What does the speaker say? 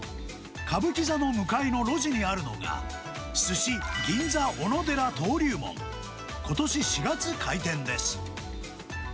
歌舞伎座の向かいの路地にあるのが、鮨銀座おのでら登龍門。ことし４月開店です。